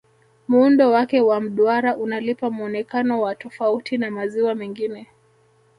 muundo Wake wa mduara unalipa muonekano wa tafauti na maziwa mengine